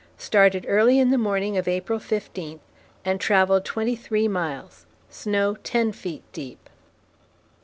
Started early in the morning of April 15 and travelled twenty three miles. Snow ten feet deep.